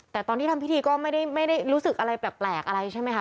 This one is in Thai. แต่ตอนที่ทำพิธีก็ไม่ได้รู้สึกอะไรแปลกอะไรใช่ไหมคะ